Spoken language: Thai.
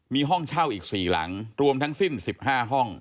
มีห้องเช่าอีก๔หลังรวมทั้งสิ้น๑๕ห้อง